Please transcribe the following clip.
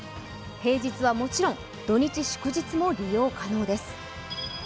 平日はもちろん、土日・祝日も利用可能です。